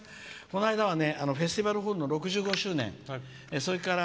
この間はフェスティバルホールの６５周年。